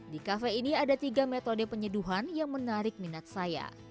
di kafe ini ada tiga metode penyeduhan yang menarik minat saya